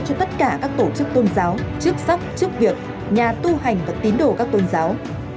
cho tất cả các tổ chức tôn giáo chức sắc chức việc nhà tu hành và tín đồ các tôn giáo